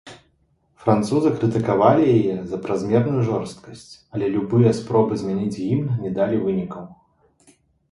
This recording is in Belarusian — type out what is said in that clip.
Французы крытыкавалі яе за празмерную жорсткасць, але любыя спробы змяніць гімн не далі вынікаў.